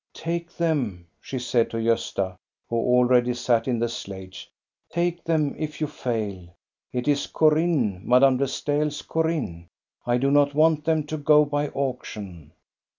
" Take them," she said to Gosta, who already sat in the sledge ;" take them, if you fail ! It is * Corinne,' Madame de StaeFs * Corinne.* I do not want them to go by auction."